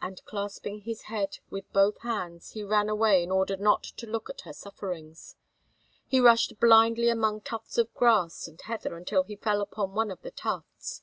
And clasping his head with both hands he ran away in order not to look at her sufferings. He rushed blindly among tufts of grass and heather until he fell upon one of the tufts.